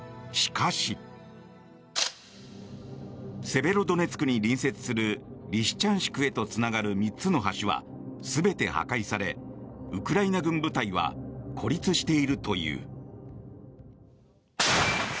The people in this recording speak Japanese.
セベロドネツクに隣接するリシチャンシクへつながる３つの橋は全て破壊されウクライナ軍部隊は孤立しているという。